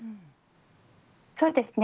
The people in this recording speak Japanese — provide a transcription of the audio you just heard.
そうですね